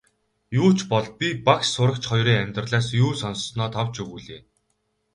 Юу ч бол би багш сурагч хоёрын амьдралаас юу сонссоноо товч өгүүлье.